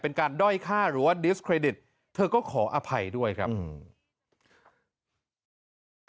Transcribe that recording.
เป็นการด้อยฆ่าหรือว่าดิสเครดิตเธอก็ขออภัยด้วยครับอืม